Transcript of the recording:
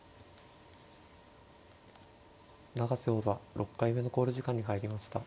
永瀬王座６回目の考慮時間に入りました。